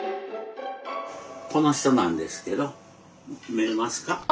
この人なんですけど見えますか？